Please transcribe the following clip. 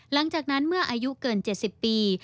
หลังจากนั้นเมื่ออายุเกิน๗๐ปี